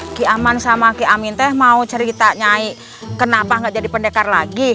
oh kiaman sama kiamin teh mau cerita nyai kenapa gak jadi pendekar lagi